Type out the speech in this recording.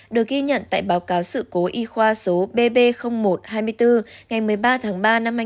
được ghi nhận tại báo cáo sự cố y khoa số bb một hai mươi bốn ngày một mươi ba tháng ba năm hai nghìn hai mươi